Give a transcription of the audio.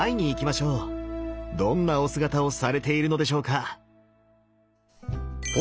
どんなお姿をされているのでしょうか。